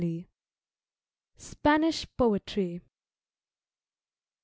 SPANISH POETRY.